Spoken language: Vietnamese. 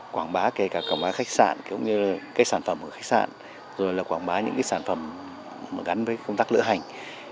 quảng bá kể cả quảng bá khách sạn cũng như là sản phẩm của khách sạn rồi là quảng bá những sản phẩm gắn với công tác lựa hành